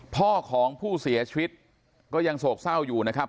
พ่อของผู้เสียชีวิตก็ยังโศกเศร้าอยู่นะครับ